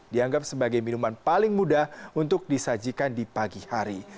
dianggap sebagai minuman paling mudah untuk disajikan di pagi hari